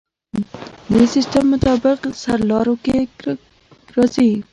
دې سیستم مطابق سرلارو کې راځي.